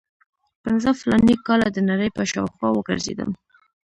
پنځه فلاني کاله د نړۍ په شاوخوا وګرځېدم.